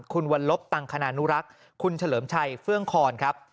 คุณวันลบตังคณานุรักษ์คุณเฉลิมชัยเฟื่องคอนครับ